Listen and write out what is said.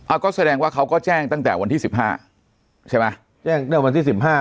ก็แสดงว่าเขาก็แจ้งตั้งแต่วันที่สิบห้าใช่ไหมแจ้งเมื่อวันที่สิบห้า